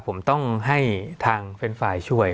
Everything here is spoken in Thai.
ผมต้องให้ทางเฟรนด์ไฟล์ช่วย